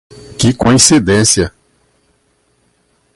Que coincidência!